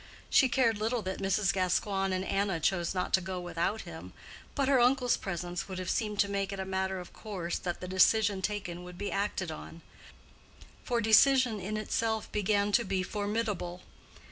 She cared little that Mrs. Gascoigne and Anna chose not to go without him, but her uncle's presence would have seemed to make it a matter of course that the decision taken would be acted on. For decision in itself began to be formidable.